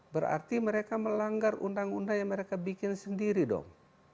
berarti mereka melanggar undang undang yang mereka bikin sendiri dong